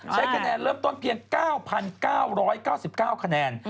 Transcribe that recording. ใช้คะแนนเริ่มต้นเพียง๙๙๙๙คะแนน